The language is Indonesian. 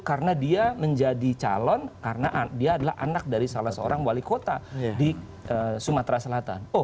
karena dia menjadi calon karena dia adalah anak dari salah seorang wali kota di sumatera selatan